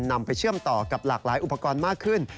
นำไปเชื่อมต่อกับหลากหลายอุปกรณ์มากขึ้น